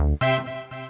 nggak jadi lamaran